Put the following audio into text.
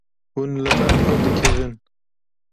Hûn li ber xwe dikevin.